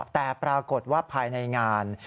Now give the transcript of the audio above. แต่ปรากฏว่าภายในงาน